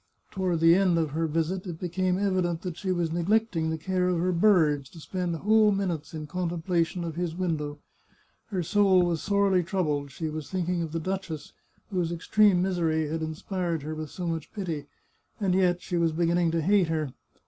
Toward the end of her visit it became evident that she was neglecting the care of her birds to spend whole minutes in contemplation of his window. Her soul was sorely troubled; she was thinking of the duchess, whose extreme misery had inspired her with so 337 The Chartreuse of Parma much pity, and yet she was beginning to hate her.